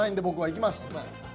いきます。